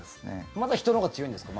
まだ人のほうが強いんですか？